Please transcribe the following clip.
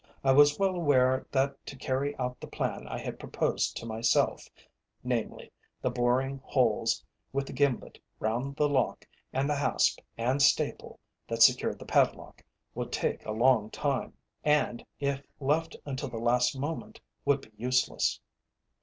I was well aware that to carry out the plan I had proposed to myself namely, the boring holes with the gimlet round the lock and the hasp and staple that secured the padlock, would take a long time, and, if left until the last moment, would be useless.